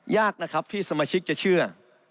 ยากนะครับที่สมาชิกจะเชื่อ